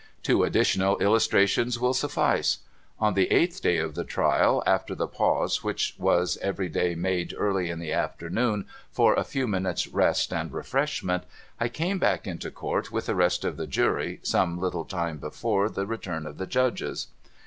Two additional illustrations will suffice. On the eighth day of the trial, after the pause which was every day made early in the afternoon for a few minutes' rest and refreshment, I came back into court with the rest of the Jury some little time before the return of the Judges.